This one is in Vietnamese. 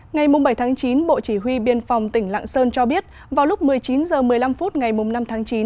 ngày bảy chín bộ chỉ huy biên phòng tỉnh lạng sơn cho biết vào lúc một mươi chín h một mươi năm phút ngày năm tháng chín